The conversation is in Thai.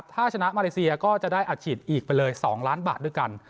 ถ้าชนะมาเลเซียก็จะได้อัดฉีดอีกไปเลย๒ล้านบาทด้วยกัน